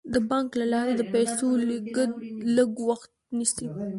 د بانک له لارې د پيسو لیږد لږ وخت نیسي.